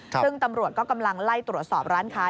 ซึ่งตำรวจก็กำลังไล่ตรวจสอบร้านค้า